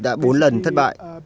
đã bốn lần thất bại